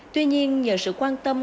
tuy nhiên nhờ sự quan tâm